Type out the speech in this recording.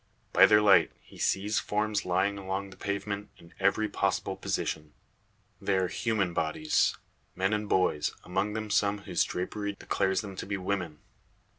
By their light he sees forms lying along the pavement in every possible position. They are human bodies men and boys, among them some whose drapery declares them to be women.